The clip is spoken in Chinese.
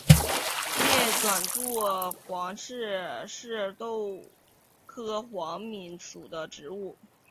类短肋黄耆是豆科黄芪属的植物。